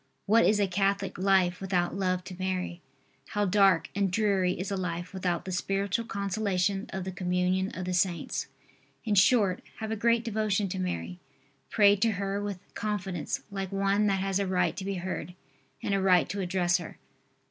What is a Catholic life without love to Mary! How dark and dreary is a life without the spiritual consolation of the Communion of the Saints! In short, have a great devotion to Mary. Pray to her with confidence like one that has a right to be heard and a right to address her.